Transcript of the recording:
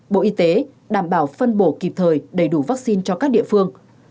bộ y tế đảm bảo phân bổ kịp thời đầy đủ vaccine cho các địa phương